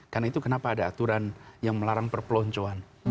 karena itu kenapa ada aturan yang melarang perpeloncoan